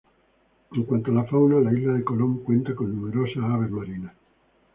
En cuanto a la fauna, la isla de Colom cuenta con numerosas aves marinas.